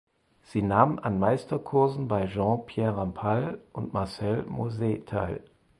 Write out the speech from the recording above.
Sie nahm an Meisterkursen bei Jean Pierre Rampal und Marcel Moyse teil.